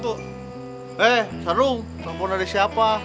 telepon dari siapa